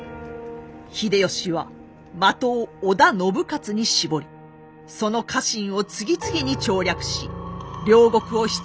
秀吉は的を織田信雄に絞りその家臣を次々に調略し領国を執拗に攻撃。